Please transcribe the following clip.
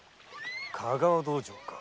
香川道場か。